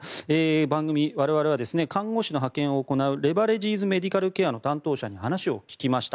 番組、我々は看護師の派遣を行うレバレジーズメディカルケアの担当の方にお話を聞きました。